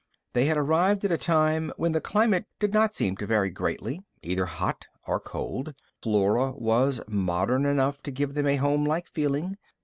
They had arrived at a time when the climate did not seem to vary greatly, either hot or cold. The flora was modern enough to give them a homelike feeling.